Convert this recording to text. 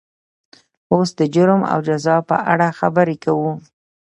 اوس د جرم او جزا په اړه خبرې کوو.